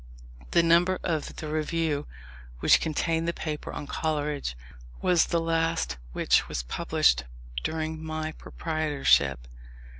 The number of the Review which contained the paper on Coleridge, was the last which was published during my proprietorship.